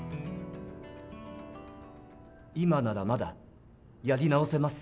今ならまだやり直せます。